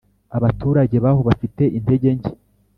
Abaturage b’aho bafite intege nke,